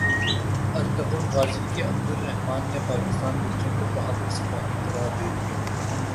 Ertugrul Ghazi کے Abdulrahman نے پاکستانی بچوں کو بہادر سپاہی قرار دے دیا